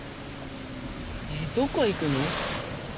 ねぇどこ行くの？